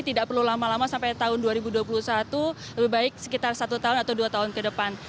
tidak perlu lama lama sampai tahun dua ribu dua puluh satu lebih baik sekitar satu tahun atau dua tahun ke depan